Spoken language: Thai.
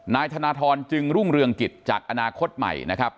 นายธนทรจึงรุ่งเรืองกิจจากอนาคตใหม่นะครับ